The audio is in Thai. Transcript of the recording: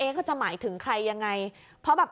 เขาจะหมายถึงใครยังไงเพราะแบบ